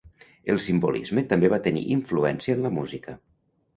El simbolisme també va tenir influència en la música.